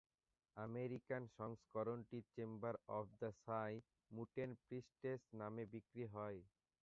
American সংস্করণটি chamber of the psi mutant priestess নামে বিক্রি হয়।